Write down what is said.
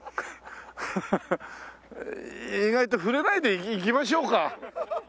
意外と触れないでいきましょうか。